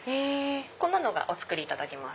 こんなのがお作りいただけます。